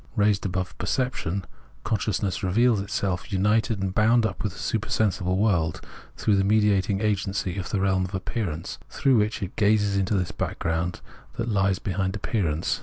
Kaised above perception, con VOL. I.— M 162 Phenomenology of Mind sciousness reveals itself •united and bound up with the supersensible world through the mediating agency of the realm of appearance, through which it gazes into this background that hes behind appearance.